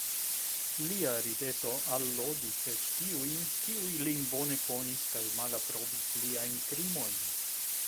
Lia rideto allogis eĉ tiujn, kiuj lin bone konis kaj malaprobis liajn krimojn.